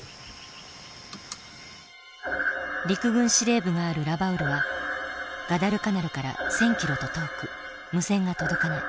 陸軍司令部があるラバウルはガダルカナルから１，０００ｋｍと遠く無線が届かない。